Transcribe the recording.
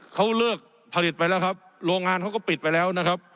เขาเลิกผลิตไปแล้วครับโรงงานเขาก็ปิดไปแล้วนะครับ